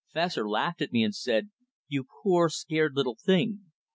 Fessor laughed at me and said: "You poor, scared little thing!"